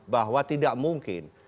bahwa tidak mungkin